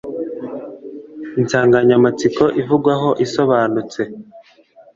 Insanganyamatsiko ivugwaho isobanutse.